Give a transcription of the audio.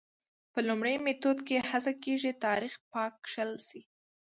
په لومړي میتود کې هڅه کېږي تاریخ پاک کښل شي.